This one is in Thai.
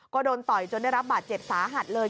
ก็โดนต่อยจนได้รับบาดเจ็บสาหัสเลย